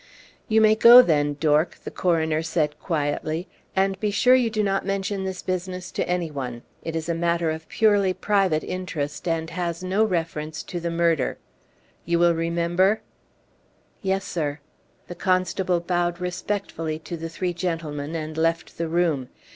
"You may go, then, Dork," the coroner said, quietly, "and be sure you do not mention this business to any one. It is a matter of purely private interest, and has no reference to the murder. You will remember?" "Yes, sir." The constable bowed respectfully to the three gentlemen, and left the room.